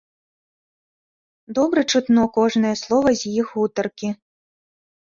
Добра чутно кожнае слова з іх гутаркі.